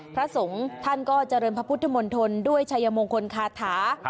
พระสงฆ์ท่านก็เจริญพระพุทธมนตรด้วยชัยมงคลคาถา